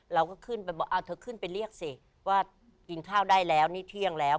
เราก็ขึ้นไปบอกเอาเธอขึ้นไปเรียกสิว่ากินข้าวได้แล้วนี่เที่ยงแล้ว